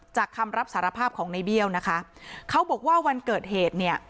คำรับสารภาพของในเบี้ยวนะคะเขาบอกว่าวันเกิดเหตุเนี่ย